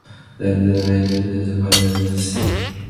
They then made their escape and fled out to sea.